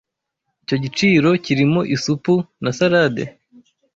Icyo giciro kirimo isupu na salade?